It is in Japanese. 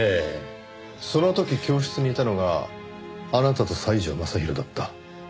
その時教室にいたのがあなたと西條雅弘だった。